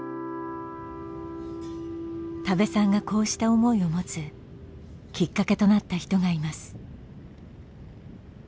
多部さんがこうした思いを持つきっかけとなった人がいます。